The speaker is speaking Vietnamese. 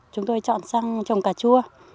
chúng tôi chọn sang trồng cà chua